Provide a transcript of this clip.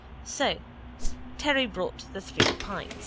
So Terry brought the three pints.